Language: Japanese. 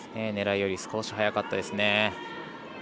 狙いより少し速かったですね。